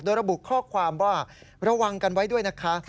โดยระบุข้อความว่าระวังกันไว้ด้วยนะคะ